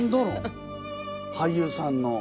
俳優さんの！